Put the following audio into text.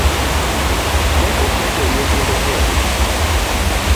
ne openjo nyithinde kendo.